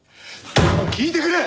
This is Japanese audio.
聞いてくれ！